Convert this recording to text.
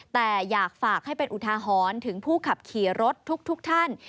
แต่อยากฝากให้เป็นอุทาหรณ์ถึงผู้ขับขี่รถทุกท่าน